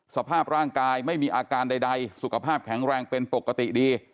สภาพร่างกายไม่มีอาการใดสุขภาพแข็งแรงเป็นปกติดี